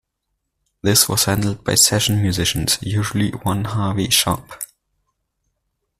This was handled by session musicians, usually one Harvey Sharpe.